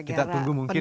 kita tunggu mungkin